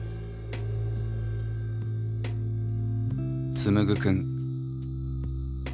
つむぐくん。